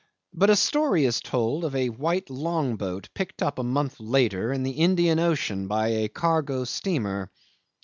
But a story is told of a white long boat picked up a month later in the Indian Ocean by a cargo steamer.